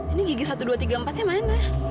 ini gigi satu dua tiga empatnya mana